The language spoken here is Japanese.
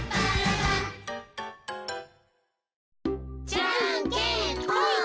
じゃんけんぽん！